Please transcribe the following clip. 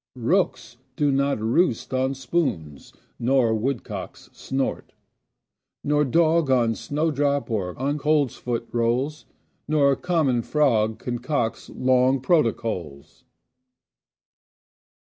Rooks do not roost on spoons, nor woodcocks snort Nor dog on snowdrop or on coltsfoot rolls. Nor common frog concocts long protocols.